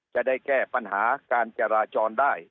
จะได้แก้ปัญหาการจราจรได้